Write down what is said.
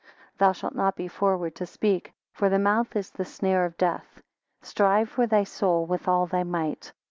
17 Thou shalt not be forward to speak; for the mouth is the snare of death. Strive for thy soul with all thy might.